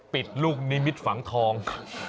ลูกนิมิตฝังทอง